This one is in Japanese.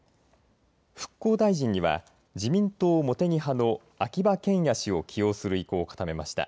復興大臣には自民党茂木派の秋葉賢也氏を起用する意向を固めました。